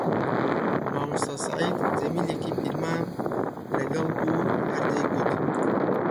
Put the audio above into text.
مامۆستا سەعید جەمیلێکی پیرمان لەگەڵ بوو هەر دەیگوت: